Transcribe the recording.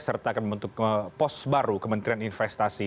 serta akan membentuk pos baru kementerian investasi